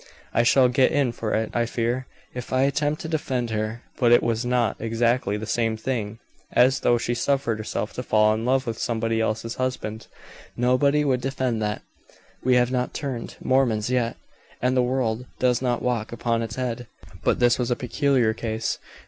I shall get in for it, I fear, if I attempt to defend her. But it was not exactly the same thing, as though she suffered herself to fall in love with somebody else's husband. Nobody would defend that. We have not turned Mormons yet, and the world does not walk upon its head. But this was a peculiar case.